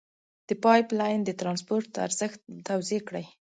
د پایپ لین د ترانسپورت ارزښت توضیع کړئ.